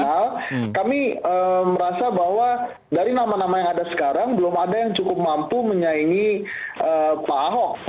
karena kami merasa bahwa dari nama nama yang ada sekarang belum ada yang cukup mampu menyaingi pak ahok